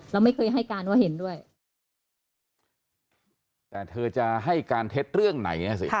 แล้วไม่เคยให้การว่าเห็นด้วยแต่เธอจะให้การเท็จเรื่องไหนอ่ะสิ